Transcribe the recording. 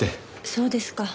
そうですか。